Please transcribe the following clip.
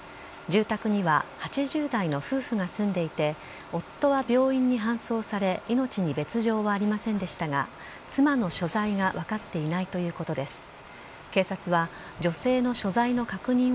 住宅には８０代の夫婦が住んでいて、夫は病院に搬送され、命に別状はありませんでしたが、妻の所在が分かっていないということです。